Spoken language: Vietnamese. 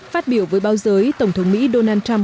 phát biểu với báo giới tổng thống mỹ donald trump